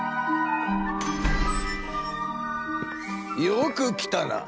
よく来たな。